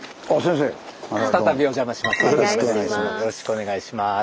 よろしくお願いします。